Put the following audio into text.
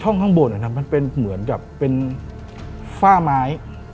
ช่องข้างบนเนี่ยทำให้เป็นเหมือนกับเป็นฝ้าไม้